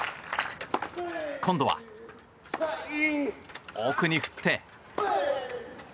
今度は奥に振って。